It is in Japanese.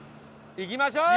いきましょう！